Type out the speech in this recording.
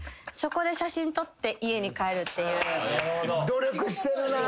努力してるなぁ。